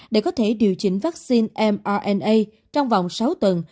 để có thể điều chỉnh vaccine mrna trong vòng sáu tuần